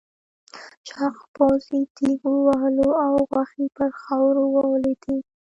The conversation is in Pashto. چاغ پوځي دېگ ووهلو او غوښې پر خاورو ولوېدې.